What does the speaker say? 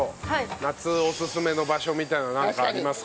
夏おすすめの場所みたいなのはなんかありますか？